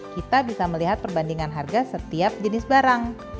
kita bisa melihat perbandingan harga setiap jenis barang